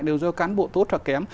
đều do cán bộ tốt hoặc kém